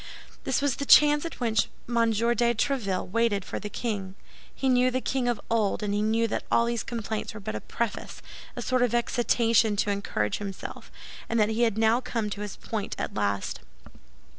This was the chance at which M. de Tréville waited for the king. He knew the king of old, and he knew that all these complaints were but a preface—a sort of excitation to encourage himself—and that he had now come to his point at last.